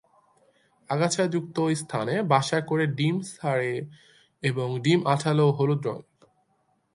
আগাছা যুক্ত স্থানে বাসা করে ডিম ছাড়ে এবং ডিম আঠালো ও হলুদ রঙের।